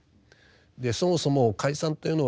そもそも解散というのはですね